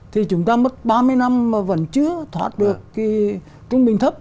thì chúng ta mất ba mươi năm mà vẫn chưa thoát được cái trung bình thấp